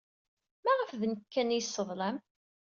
Maɣef d nekk kan ay yesseḍlam?